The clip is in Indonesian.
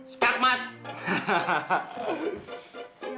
siang pak raditya